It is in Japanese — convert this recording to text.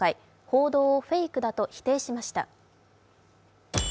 報道をフェイクだと否定しました。